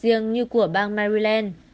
riêng như của bang maryland